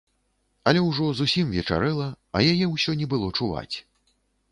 Але ўжо зусім вечарэла, а яе ўсё не было чуваць.